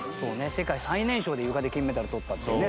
世界最年少でゆかで金メダル取ったっていうね